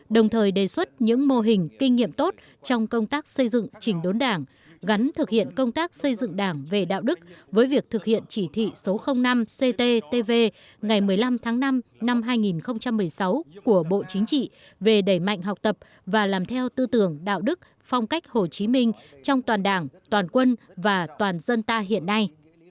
tình kinh nghiệm tốt trong công tác xây dựng chỉnh đốn đảng gắn thực hiện công tác xây dựng đảng về đạo đức với việc thực hiện chỉ thị số năm cttv ngày một mươi năm tháng năm năm hai nghìn một mươi sáu của bộ chính trị về đẩy mạnh học tập và làm theo tư tưởng đạo đức phong cách hồ chí minh trong toàn đảng toàn quân và toàn dân ta hiện nay